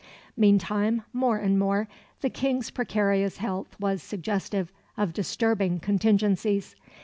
Meantime, more and more, the King's precarious health was suggestive of disturbing contingencies.